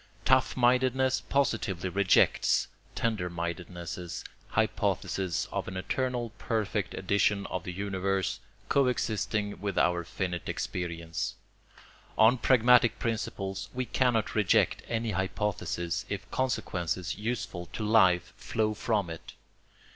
Tough mindedness positively rejects tender mindedness's hypothesis of an eternal perfect edition of the universe coexisting with our finite experience. On pragmatic principles we cannot reject any hypothesis if consequences useful to life flow from it.